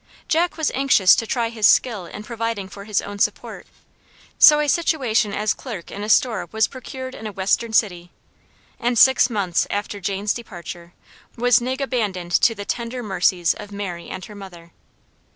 Jack was anxious to try his skill in providing for his own support; so a situation as clerk in a store was procured in a Western city, and six months after Jane's departure, was Nig abandoned to the tender mercies of Mary and her mother.